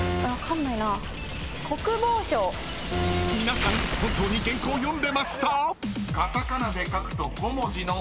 ［皆さん本当に原稿読んでました？］